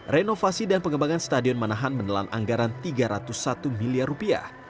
renovasi dan pengembangan stadion manahan menelan anggaran tiga ratus satu miliar rupiah